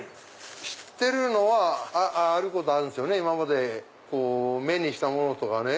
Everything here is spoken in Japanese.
知ってるのはあることはある今まで目にしたものとかね。